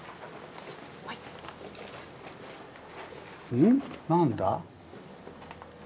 うん？何だ？